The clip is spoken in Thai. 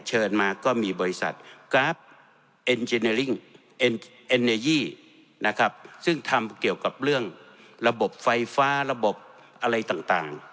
เชิญมาก็มีบริษัทนะครับซึ่งทำเกี่ยวกับเรื่องระบบไฟฟ้าระบบอะไรต่างต่าง